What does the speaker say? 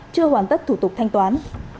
chưa hoàn tất thủ tục thanh toán